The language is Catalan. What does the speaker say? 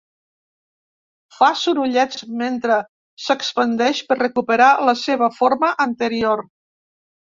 Fa sorollets mentre s'expandeix per recuperar la seva forma anterior.